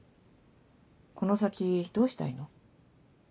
この先どうしたいの？